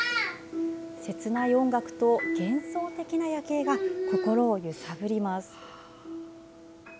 切ない音楽と幻想的な夜景が心を揺さぶります。